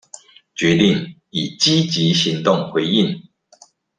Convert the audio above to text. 決定以積極行動回應